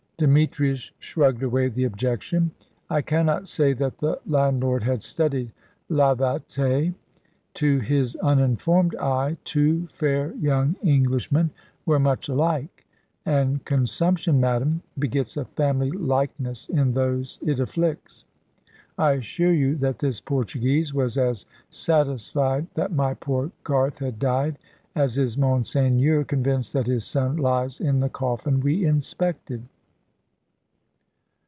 Demetrius shrugged away the objection. "I cannot say that the landlord had studied Lavater. To his uninformed eye, two fair young Englishmen were much alike; and consumption, madame, begets a family likeness in those it afflicts. I assure you that this Portuguese was as satisfied that my poor Garth had died, as is Monseigneur convinced that his son lies in the coffin we inspected."